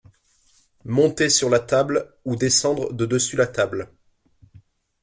Monter sur la table ou descendre de dessus la table.